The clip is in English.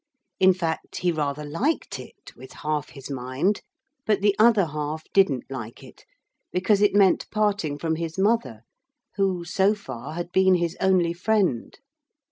In fact, he rather liked it, with half his mind; but the other half didn't like it, because it meant parting from his mother who, so far, had been his only friend.